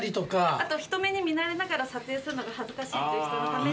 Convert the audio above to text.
あと人目に見られながら撮影するのが恥ずかしいという人のために。